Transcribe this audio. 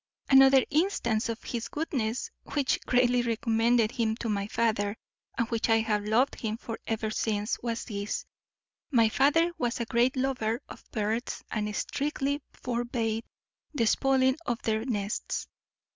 Another instance of his goodness, which greatly recommended him to my father, and which I have loved him for ever since, was this: my father was a great lover of birds, and strictly forbad the spoiling of their nests.